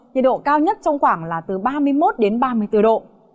nhiệt độ cao nhất trong khoảng là từ ba mươi một đến ba mươi bốn độ